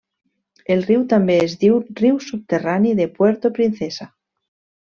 El riu també es diu riu subterrani de Puerto Princesa.